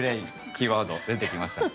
キーワード出てきました。